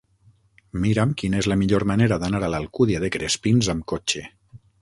Mira'm quina és la millor manera d'anar a l'Alcúdia de Crespins amb cotxe.